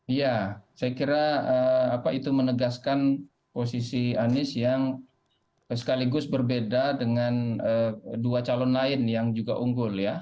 iya saya kira apa itu menegaskan posisi anies yang sekaligus berbeda dengan dua calon lain yang juga unggul ya